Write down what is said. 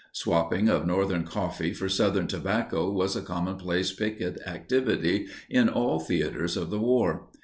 Swapping of Northern coffee for Southern tobacco was a commonplace picket activity in all theaters of the war.